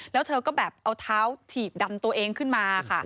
แล้วหัวเจ้าก็เอาท้าวถีดำตัวเองมา